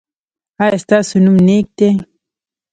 ایا ستاسو نوم نیک دی؟